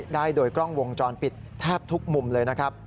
ได้โดยกล้องวงจรปิดแทบทุกมุมเลยนะครับ